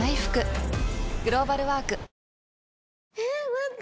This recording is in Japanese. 待って。